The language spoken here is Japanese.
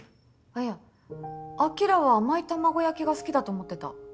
あっいや晶は甘い卵焼きが好きだと思ってた。